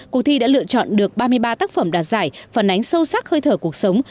cuộc thi đã lựa chọn được ba mươi ba tác phẩm đạt giải phản ánh sâu sắc hơi thở cuộc sống